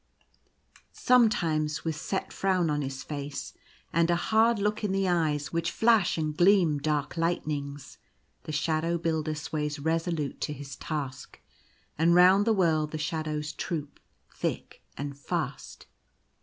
Sometimes, with set frown on his face and a hard 8o The Voice of the Great Present. look in the eyes, which flash and gleam dark lightnings, the Shadow Builder sways resolute to his task, and round the world the shadows troop thick and fast.